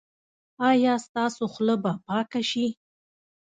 ایا ستاسو خوله به پاکه شي؟